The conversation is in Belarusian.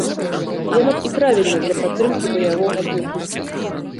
Яно б і правільна для падтрымкі баявога духу.